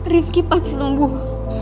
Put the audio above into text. ripky pasti sembuh